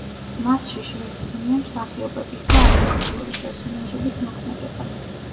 მასში შერწყმულია მსახიობების და ანიმაციური პერსონაჟების მოქმედება.